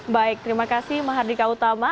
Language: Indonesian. baik terima kasih mahardika utama